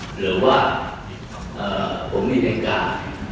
หรือว่าผมมีในกาย